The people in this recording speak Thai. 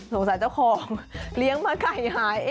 เจ้าของเลี้ยงมาไก่หาย